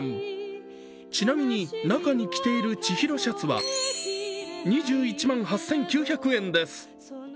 ちなみに中に着ているチヒロシャツは２１万８９００円です。